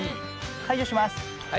解除します。